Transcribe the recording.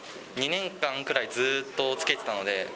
２年間くらい、ずっと着けてたので。